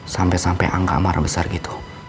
sampai sampai angga marah besar gitu